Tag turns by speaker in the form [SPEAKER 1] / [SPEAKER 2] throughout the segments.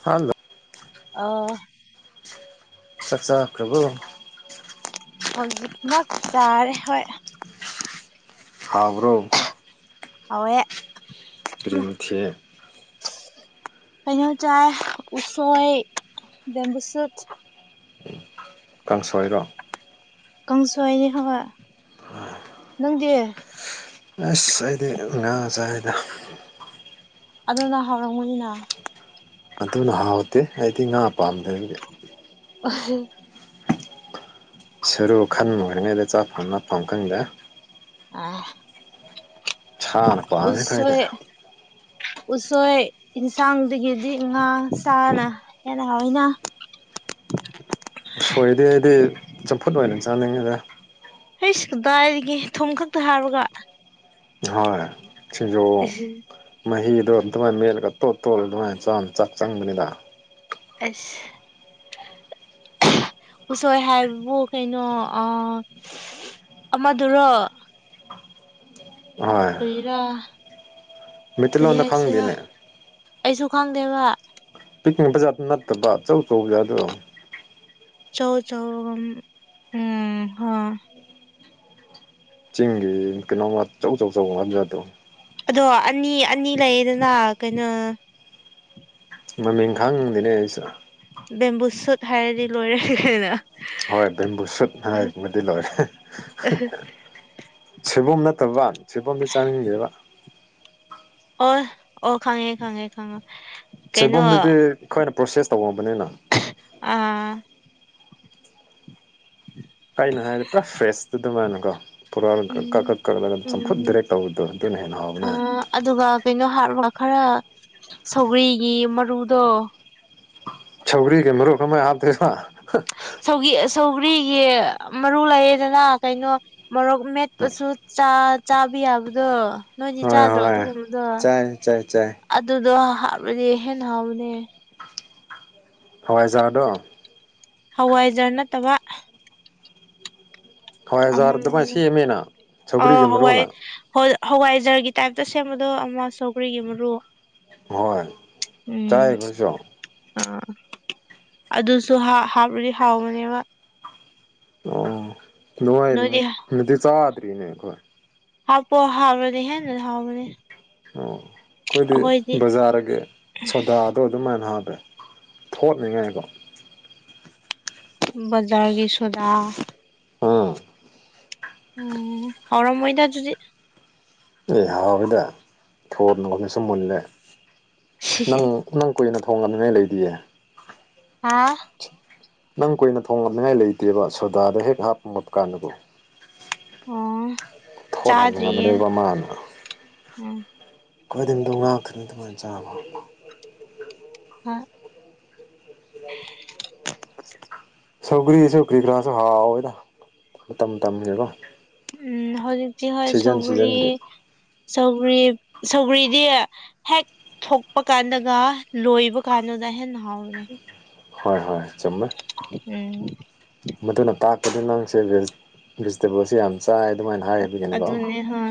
[SPEAKER 1] hello
[SPEAKER 2] ꯑꯥ
[SPEAKER 1] ꯆꯥꯛꯆꯥ ꯄ꯭ꯔꯕꯨ
[SPEAKER 2] ꯑꯣꯖꯤ ꯇꯥꯔꯦ ꯍ
[SPEAKER 1] ꯍꯕ꯭ꯔꯣ
[SPEAKER 2] ꯍꯧꯋꯦ
[SPEAKER 1] ꯑꯗꯨꯔꯤ ꯃꯦ
[SPEAKER 2] ꯀꯩꯅ ꯆꯥꯏ ꯎꯁꯣꯏ ꯕꯝꯕꯁꯠ
[SPEAKER 1] ꯀꯥꯡꯁꯣꯏꯔꯣ
[SPEAKER 2] ꯀꯥꯡꯪꯁ ꯑꯏꯅꯤ ꯍꯕ ꯅꯪꯗꯤꯦ
[SPEAKER 1] ꯑꯁ ꯑꯩꯗꯤ ꯉ ꯆꯗ
[SPEAKER 2] ꯑꯗꯨꯅ ꯍꯥꯎꯔꯝꯒꯅꯤꯅ
[SPEAKER 1] ꯑꯗꯨꯅ ꯍꯥꯎꯇꯦ ꯑꯩꯗꯤ ꯉꯥ ꯄꯥꯝꯗꯗꯤ
[SPEAKER 2] ꯑ
[SPEAKER 1] ꯁꯔꯨ ꯈꯟꯔꯤꯉꯩꯗ ꯆꯥꯛꯐꯝ ꯃꯐꯝ ꯀꯟꯗ
[SPEAKER 2] ꯑ
[SPEAKER 1] ꯁꯅ ꯄꯥꯝꯃꯦꯈꯣꯏꯗ
[SPEAKER 2] ꯎꯁꯣꯏ ꯌꯦꯟꯁꯥꯡꯗꯒꯤꯗꯤ ꯉꯥ ꯁꯥꯥꯅ ꯍꯦꯟꯅ ꯍꯣꯏꯅ
[SPEAKER 1] ꯎꯁꯣꯏꯗꯤ ꯑꯩꯗꯤ ꯆꯝꯐꯨꯠ ꯑꯣꯏꯅ ꯆꯥꯅꯤꯡꯉꯤꯗ
[SPEAKER 2] ꯑꯩ ꯁꯤ ꯀꯗꯥꯏꯔꯤꯒꯦ ꯊꯨꯝ ꯈꯛꯇ ꯍꯥꯔꯒ
[SPEAKER 1] ꯍꯣꯏ ꯈꯖꯣ ꯃꯍꯍꯤꯗꯗꯃꯥꯏ ꯃꯠ ꯀ ꯇꯣ ꯇꯣꯜ ꯑꯗꯨꯃꯥꯏꯅ ꯆꯥꯎ ꯌꯥꯝ ꯆꯥꯛ ꯆꯪꯕꯅꯤꯗ
[SPEAKER 2] ꯑꯁ ꯎꯁꯣꯏ ꯍꯥꯏꯕꯨ ꯀꯩꯅꯣ ꯑ ꯑꯃꯗꯨꯔꯣ ꯀꯩꯔꯥ
[SPEAKER 1] ꯃꯤꯇꯂꯪꯗ ꯈꯥꯡꯕꯤꯅꯦ
[SPEAKER 2] ꯑꯩꯁꯨ ꯈꯪꯗꯦꯕ
[SPEAKER 1] ꯄꯤꯛꯅꯤꯛ ꯕꯖꯥꯠꯇ ꯅꯠꯇꯕ ꯑꯆꯧ ꯆꯧꯕꯁ ꯑꯗꯨ
[SPEAKER 2] ꯆꯧ ꯆꯧ ꯎꯝ ꯍ
[SPEAKER 1] ꯆꯤꯡꯒꯤ ꯀꯩꯅꯣꯝꯃ ꯑꯆꯧ ꯑꯆꯧꯆꯧꯕ ꯃꯖꯥꯗꯣ
[SPEAKER 2] ꯑꯗꯣ ꯑꯅꯤ ꯑꯅꯤ ꯂꯩꯌꯦꯗꯅ ꯀꯩꯅꯣ
[SPEAKER 1] ꯃꯃꯤꯡ ꯈꯥꯡꯗꯅꯦ ꯑꯩꯁꯨ
[SPEAKER 2] ꯕꯦꯝꯕꯨ ꯁꯨꯠ ꯍꯥꯏꯔꯗꯤ ꯂꯣꯏꯔꯈꯦꯅ
[SPEAKER 1] ꯍꯣꯏ ꯕꯦꯝꯕꯨ ꯁꯨꯠ ꯍꯥꯏꯃꯗꯤ ꯂꯣꯏꯔꯦ ꯁꯦꯕꯣꯝ ꯅꯠꯇꯕ ꯁꯦꯕꯣꯝꯗꯤ ꯆꯥꯅꯤꯡꯒꯦꯕ
[SPEAKER 2] ꯑꯣ ꯑꯣ ꯈꯪꯉꯦ ꯈꯉꯦ ꯈꯥꯉ
[SPEAKER 1] ꯁꯣꯏꯕꯨꯝꯗꯨꯗꯤ ꯑꯩꯈꯣꯏꯅ ꯄ꯭ꯔꯣꯁꯦꯁ ꯇꯧꯝꯕꯅꯤꯅ
[SPEAKER 2] ꯑꯥ
[SPEAKER 1] ꯀꯩꯅꯣ ꯍꯥꯏꯔꯗꯤ ꯄꯨꯔꯥ ꯐ꯭ꯔꯦꯁꯇꯨ ꯑꯗꯨꯃꯅꯀꯣ ꯄꯨꯔꯥꯥꯟ ꯀꯛꯈꯠ
[SPEAKER 2] ꯎꯝ
[SPEAKER 1] ꯀꯛꯀꯠꯂꯒ ꯆꯝꯐꯨꯠ
[SPEAKER 2] ꯎꯝ
[SPEAKER 1] ꯗ꯭ꯔꯦ ꯇꯧꯕꯗꯣ ꯑꯗꯨꯅ ꯍꯦꯟꯅ ꯍꯥꯎꯕꯅꯦ
[SPEAKER 2] ꯑꯥ ꯑꯗꯨꯒ ꯀꯩꯅꯣ ꯍꯥꯞꯔꯒ ꯈꯔ ꯁꯧꯒꯔꯤꯒꯤ ꯃꯔꯨꯗꯣ
[SPEAKER 1] ꯆꯧꯒꯔꯤ ꯀ ꯃꯔꯨ ꯀ ꯑꯃ ꯍꯥꯗꯁ
[SPEAKER 2] ꯁ ꯁꯧꯒ꯭ꯔꯤꯒꯤ ꯃꯔꯨ ꯂꯩꯌꯦꯦꯗꯅ ꯀꯩꯅꯣ ꯃꯣꯔꯣꯛ ꯃꯦꯠꯄꯁꯨ ꯆꯥꯕ ꯌꯥꯕꯗꯣ ꯅꯣꯏꯗꯤ
[SPEAKER 1] ꯍꯣꯏ
[SPEAKER 2] ꯆꯥꯗ꯭ꯔꯣ
[SPEAKER 1] ꯍꯣꯏ
[SPEAKER 2] ꯑꯗꯨꯒꯨꯝꯕꯗꯣ
[SPEAKER 1] ꯆꯥꯏ ꯆꯥꯏ ꯆꯥꯏ
[SPEAKER 2] ꯑꯗꯨꯗꯣ ꯍꯥꯕꯗꯤ ꯍꯦꯅ ꯍꯕꯅꯦ
[SPEAKER 1] ꯍꯋꯥꯏꯖꯋꯥꯔꯗ
[SPEAKER 2] ꯍꯋꯥꯏꯖꯔ ꯅꯠꯇꯕ
[SPEAKER 1] ꯍꯋꯥꯏꯖꯥꯔ ꯑꯗꯨꯃꯥꯏꯅ ꯁꯦꯝꯃꯦꯅ
[SPEAKER 2] ꯑ
[SPEAKER 1] ꯁꯧꯒ꯭ꯔꯤꯒꯤ
[SPEAKER 2] ꯍꯋꯥꯏ
[SPEAKER 1] ꯃꯔꯨꯅ
[SPEAKER 2] ꯍ ꯍꯋꯥꯏꯖꯔꯒ ꯇꯥꯏꯞꯇꯁꯦ ꯑꯃꯗꯨ ꯑꯃ ꯁꯧꯒꯔꯤꯒꯤ ꯃꯔꯔ
[SPEAKER 1] ꯍꯣꯏ
[SPEAKER 2] ꯎꯝ
[SPEAKER 1] ꯆꯥꯏ ꯑꯩꯈꯣꯏꯁꯨ
[SPEAKER 2] ꯑ ꯑꯗꯨꯁꯨ ꯍꯥꯞꯄꯗꯤ ꯍꯥꯎꯕꯅꯦꯕ
[SPEAKER 1] ꯅꯅꯨꯡꯉꯥꯏ
[SPEAKER 2] ꯅꯣꯏꯗꯤ
[SPEAKER 1] ꯅꯗꯤ ꯆꯥꯗꯔꯤꯅꯦꯈꯣꯏ
[SPEAKER 2] ꯍꯥꯥꯎ ꯄꯣ ꯍꯥꯥꯎꯕ ꯍ ꯂꯩ ꯍꯥꯎꯕꯅꯤ
[SPEAKER 1] ꯑꯣ ꯑꯩꯈꯣꯏꯗꯤ ꯕꯖꯥꯔꯒꯤ ꯁꯣꯗꯥꯗꯣ ꯑꯗꯨꯝꯥꯏꯅ ꯍꯥꯞ ꯊꯠꯅꯤꯡꯉꯥꯏꯀꯣ
[SPEAKER 2] ꯕꯖꯔꯒꯤ ꯁꯗꯥ
[SPEAKER 1] ꯎꯝ
[SPEAKER 2] ꯎꯝ ꯍꯔꯝ ꯃꯣꯏꯗ ꯑꯗꯨꯗꯤ
[SPEAKER 1] ꯑꯦ ꯍꯥꯎꯋꯦꯗ ꯊꯣꯟꯅꯉꯣꯅꯁꯨꯨꯝ ꯃꯨꯜꯂꯦ ꯅꯪ ꯅꯪ ꯀꯨꯏꯅ ꯊꯣꯡ ꯉꯝꯅꯤꯉꯥꯏ ꯂꯩꯗꯤꯌꯦ
[SPEAKER 2] ꯍꯥ
[SPEAKER 1] ꯅꯪ ꯀꯨꯏꯅ ꯊꯣꯡꯂꯛꯅꯤꯡꯉꯥꯏ ꯂꯩꯇꯦꯕ ꯁꯣꯗꯥꯗ ꯍꯦꯛ ꯍꯥꯞꯄꯂꯕ ꯀꯥꯟꯗꯨꯕꯨꯣ
[SPEAKER 2] ꯑꯣ
[SPEAKER 1] ꯊꯣꯠ ꯍꯥꯟꯉ
[SPEAKER 2] ꯆꯥꯗ꯭ꯔꯤꯌꯦ
[SPEAKER 1] ꯃꯔꯕ ꯃꯅ
[SPEAKER 2] ꯎꯝ
[SPEAKER 1] ꯀꯣꯏꯗꯤꯝꯗꯣ ꯉꯥꯛꯇ꯭ꯅꯤ ꯑꯗꯨꯃꯥꯏꯅ ꯆꯥꯕ
[SPEAKER 2] ꯍꯥ [unintelligible] [unintelligible]
[SPEAKER 1] ꯁꯧꯒ꯭ꯔꯤ ꯁꯧꯒ꯭ꯔꯤ ꯈꯔꯁꯨ ꯍꯥꯎꯋꯗ ꯇꯝꯒꯦꯀꯣ
[SPEAKER 2] ꯎꯝ ꯍꯧꯖꯤꯛꯇꯤ ꯍꯣꯏ ꯁꯧꯒꯔꯤ
[SPEAKER 1] ꯁꯤꯖꯟꯒꯤ
[SPEAKER 2] ꯁꯧꯒ꯭ꯔꯤ ꯁꯧꯒ꯭ꯔꯤꯗꯤ ꯍꯦꯛ ꯊꯣꯛꯄ ꯀꯥꯟꯗꯒ ꯂꯣꯏꯕ ꯀꯥꯟꯗꯗ ꯍꯦꯟꯅ ꯍꯥꯎꯦ
[SPEAKER 1] ꯍꯣꯏ ꯍꯣꯏ ꯆꯨꯝꯃꯦ ꯃꯗꯨꯅ ꯇꯥꯛ ꯑꯗꯨ ꯅꯪꯁꯦꯦ ꯦꯖꯤꯇꯦꯕꯜꯁꯤ ꯌꯥꯝꯁ
[SPEAKER 2] ꯑꯗꯨꯅꯦ ꯍ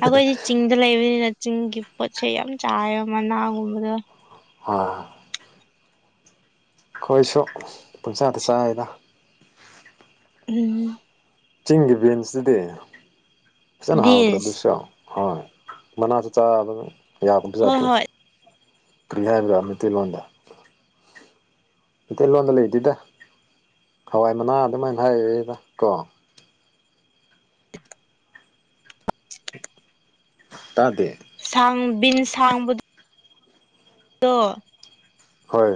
[SPEAKER 2] ꯑꯩꯈꯣꯏꯗꯤ ꯆꯤꯡꯗ ꯂꯩꯕꯅꯤ ꯅ ꯆꯤꯡꯒꯤ ꯄꯣꯠꯁꯦ ꯌꯥꯝ ꯆꯥꯏꯌꯦꯕ ꯃꯅꯥꯒꯨꯝꯕꯗ
[SPEAKER 1] ꯍꯣꯏ ꯑꯩꯈꯣꯏꯁꯨ ꯄꯨꯟꯁꯥꯗ ꯆꯥꯏꯔꯤꯗ
[SPEAKER 2] ꯎꯝ
[SPEAKER 1] ꯆꯤꯡꯒꯤ ꯕꯤꯟꯁꯇꯨꯗꯤ ꯐꯖꯅ ꯍꯥꯎꯗ꯭ꯔ
[SPEAKER 2] ꯕꯤꯟꯁ
[SPEAKER 1] ꯑꯗꯨꯁꯨꯣ ꯍꯣꯏ ꯃꯅꯥꯁꯨ ꯆꯥꯕ
[SPEAKER 2] ꯍꯣꯏ
[SPEAKER 1] ꯌꯥꯕꯗꯨꯖꯥꯠꯇ꯭ꯔꯣ
[SPEAKER 2] ꯍꯣꯏ
[SPEAKER 1] ꯀꯔꯤ ꯍꯥꯏꯕ꯭ꯔꯥ ꯃꯩꯇꯩꯂꯣꯟꯗ ꯃꯩꯇꯩꯂꯣꯟꯗ ꯂꯩꯗꯦꯗ ꯍꯋꯥꯏ ꯃꯅꯥ ꯑꯗꯨꯃꯥꯏꯅ ꯍꯥꯏꯦꯗ ꯀꯣ ꯇꯗꯦ
[SPEAKER 2] ꯑꯥꯡ ꯕꯤꯟ ꯁꯥꯡꯕꯗ ꯇ
[SPEAKER 1] ꯍꯣꯏ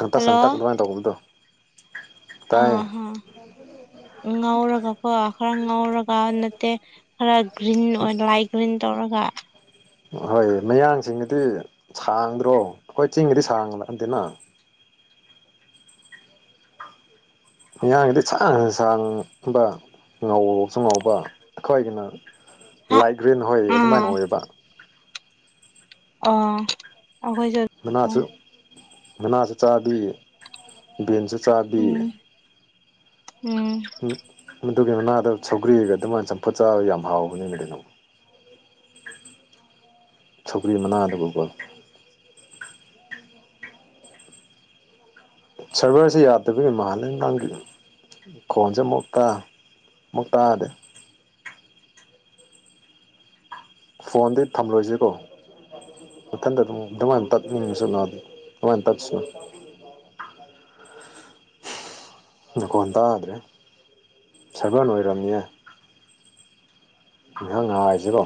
[SPEAKER 1] ꯁꯪꯇꯥ ꯁꯪꯇꯥꯛꯗꯥꯏ ꯇꯧꯕꯣꯏꯗ
[SPEAKER 2] ꯑ ꯑꯥ ꯉꯧꯔꯒꯀꯣ ꯈꯔ ꯉꯥꯎꯔꯒ ꯅꯠꯇꯦ ꯈꯔ ꯒ꯭ꯔꯤꯟ ꯑꯣꯏ ꯂꯥꯏꯠ ꯒ꯭ꯔꯤꯟ ꯇꯧꯔꯒ
[SPEAKER 1] ꯍꯣꯏ ꯃꯌꯥꯡꯁꯤꯡꯒꯗꯤ ꯁꯥꯡꯗ꯭ꯔꯣ ꯑꯩꯈꯣꯏ ꯆꯤꯡꯒꯗꯤ ꯁꯥꯡ ꯂꯛꯑꯗꯦꯅ ꯃꯤꯌꯥꯝꯒꯤꯗꯤ ꯁꯥꯡꯁꯨ ꯁꯥꯡꯕ ꯉꯥꯎꯁꯨ ꯉꯥꯎꯕ ꯈꯈꯋꯥꯏꯒꯤꯅ
[SPEAKER 2] ꯍꯥ
[SPEAKER 1] ꯂꯥꯏꯠ ꯒ꯭ꯔꯤꯟ ꯍꯣꯏ ꯑꯗꯨꯃꯥꯏꯅ ꯑꯣꯏꯌꯦꯕ
[SPEAKER 2] ꯑ ꯑꯩꯈꯣꯏ ꯆꯠ
[SPEAKER 1] ꯃꯅꯥꯁꯨ ꯃꯅꯥꯁꯨ ꯆꯥꯕꯤ ꯕꯦꯟꯁꯨ ꯆꯥꯕꯤ
[SPEAKER 2] ꯎꯝ ꯎꯝ
[SPEAKER 1] ꯃꯗꯨꯒꯤ ꯃꯅꯥꯗ ꯁꯧꯒ꯭ꯔꯤꯒ ꯑꯗꯨꯃꯥꯏꯅ ꯆꯝꯐꯨꯠ ꯆꯥꯕ ꯌꯥꯝ ꯍꯥꯎꯕꯅꯤ ꯀꯔꯤꯅꯣ ꯁꯀ꯭ꯔꯤ ꯃꯅꯥꯗꯧꯕꯀꯣ ꯁꯚꯔꯁꯤ ꯌꯥꯗꯕꯒꯤ ꯃꯥꯜꯂꯦ ꯅꯪꯒꯤ ꯈꯣꯟꯁꯦ ꯑꯃꯨꯛꯇ ꯃꯣꯇꯥꯥꯗ ꯐꯣꯟꯗꯤ ꯊꯝꯂꯣꯏꯁꯤꯀꯣ ꯃꯊꯟꯗ ꯑꯗꯨ ꯑꯗꯨꯃꯥꯏꯅ ꯇꯠꯅꯤꯡꯁꯨꯅꯗꯤ ꯑꯗꯨꯃꯥꯏꯅ ꯇꯠꯁꯤꯅ ꯗꯨꯀꯣꯟ ꯇꯥꯗ꯭ꯔꯦ ꯁꯚꯔ ꯑꯣꯏꯔꯕꯝꯅꯤꯌꯦ ꯏꯈꯪ ꯉ ꯍꯥꯏꯁꯤꯀꯣ